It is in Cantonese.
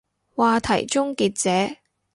話題終結者